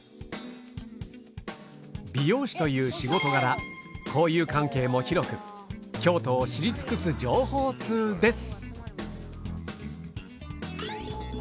美容師という仕事柄交友関係も広く京都を知り尽くす情報ツウです。